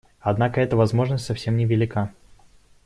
Однако эта возможность совсем невелика.